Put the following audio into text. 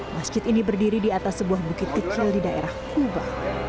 masjid ini berdiri di atas sebuah bukit kecil di daerah kuba